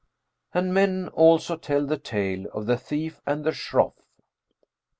'"[FN#405] And men also tell the tale of THE THIEF AND THE SHROFF.